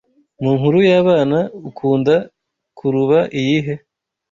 Mu nkuru y'abana ukunda kurba iyihe